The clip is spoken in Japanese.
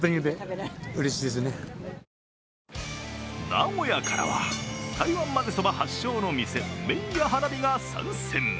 名古屋からは台湾混ぜそば発祥の店、麺屋はなびが参戦。